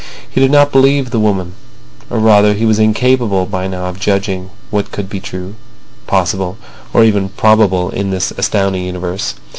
He did not believe the woman, or rather he was incapable by now of judging what could be true, possible, or even probable in this astounding universe.